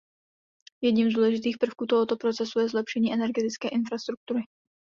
Jedním z důležitých prvků tohoto procesu je zlepšení energetické infrastruktury.